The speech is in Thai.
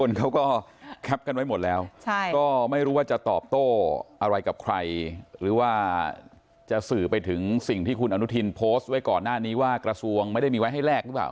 เขาก็แคปกันไว้หมดแล้วก็ไม่รู้ว่าจะตอบโต้อะไรกับใครหรือว่าจะสื่อไปถึงสิ่งที่คุณอนุทินโพสต์ไว้ก่อนหน้านี้ว่ากระทรวงไม่ได้มีไว้ให้แลกหรือเปล่า